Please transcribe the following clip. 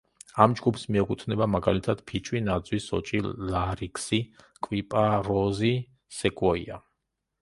ამ ჯგუფს მიეკუთვნება მაგალითად, ფიჭვი, ნაძვი, სოჭი, ლარიქსი, კვიპაროზი, სეკვოია.